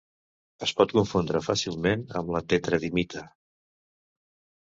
Es pot confondre fàcilment amb la tetradimita.